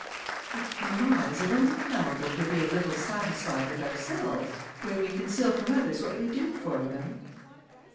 "But, mamma, is it only allowable to be a little satisfied with ourselves, when we conceal from others what we do for them?"